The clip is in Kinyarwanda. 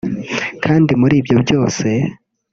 Kandi muri ibyo byose